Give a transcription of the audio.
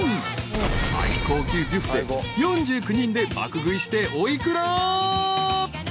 最高級ビュッフェ４９人で爆食いしておいくら？